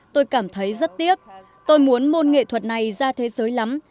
tôi cảm thấy rất tiếc tôi muốn môn nghệ thuật này ra thế giới lắm